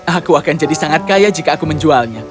aku akan jadi sangat kaya jika aku menjualnya